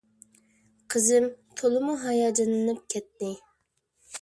قىزىم تولىمۇ ھاياجانلىنىپ كەتتى.